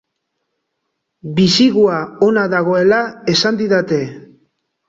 Bisigua ona dagoela esan didate.